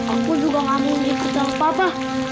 aku juga gak mau ikut sama papa